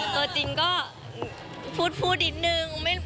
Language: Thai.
ตัวจริงก็พูดนิดนึง